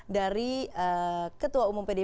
dari ketua umum pdi